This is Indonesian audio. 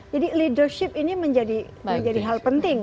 jadi leadership ini menjadi hal penting